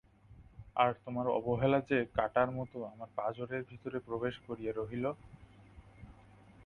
আর, তোমার অবহেলা যে কাঁটার মতো আমার পাঁজরের ভিতরে প্রবেশ করিয়া রহিল।